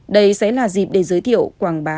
đây sẽ là dịp để giới thiệu quảng bá